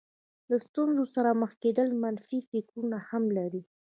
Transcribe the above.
له ستونزې سره مخ کېدل منفي فکرونه هم لري.